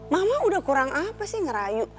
mama udah kurang apa sih ngerayu